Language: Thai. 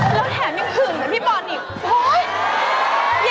แล้วแถมยังหึ่งกับพี่ปอนด์อีก